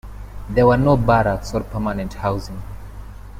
There were no barracks or permanent housing.